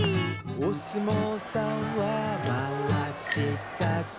「おすもうさんはまわしだけ」